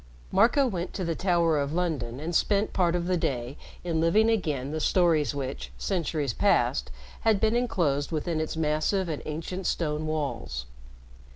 Marco went to the Tower of London and spent part of the day in living again the stories which, centuries past, had been inclosed within its massive and ancient stone walls.